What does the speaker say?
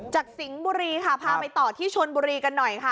สิงห์บุรีค่ะพาไปต่อที่ชนบุรีกันหน่อยค่ะ